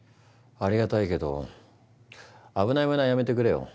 ありがたいけど危ないまねはやめてくれよ。